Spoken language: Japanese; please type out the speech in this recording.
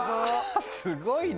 すごいな。